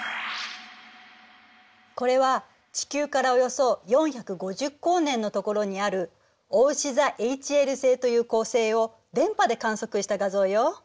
これは地球からおよそ４５０光年のところにあるおうし座ＨＬ星という恒星を電波で観測した画像よ。